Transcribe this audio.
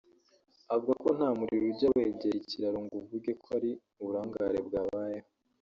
avuga ko nta muriro ujya wegera ikiraro ngo avuge ko ari uburangare bwabayeho